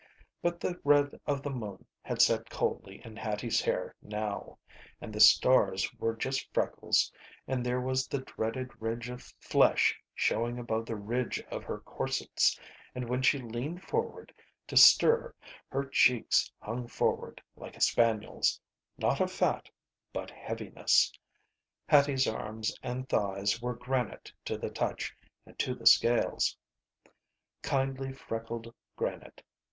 But the red of the moon had set coldly in Hattie's hair now, and the stars were just freckles, and there was the dreaded ridge of flesh showing above the ridge of her corsets, and when she leaned forward to stir her cheeks hung forward like a spaniel's, not of fat, but heaviness. Hattie's arms and thighs were granite to the touch and to the scales. Kindly freckled granite.